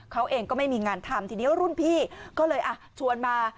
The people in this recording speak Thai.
เขาเองก็ไม่มีงานทำทีนี้รุ่นพี่ก็เลยชวนมา